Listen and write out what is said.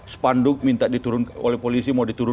sepanduk minta diturunkan oleh polisi